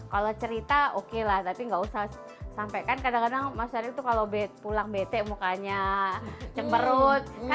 kalau cerita okelah tapi gak usah sampe kan kadang kadang mas eri tuh kalau pulang bete mukanya cek perut gitu gitu ya